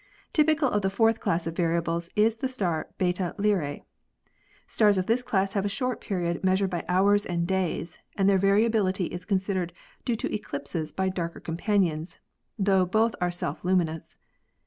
Typical of the fourth class of variables is the star Beta Lyras. Stars of this class have a short period measured by hours and days, and their variability is considered due to eclipses by darker companions, tho both are self luminous.